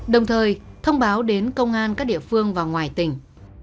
đồng thời thông báo đến công an các địa phương và ngoài tỉnh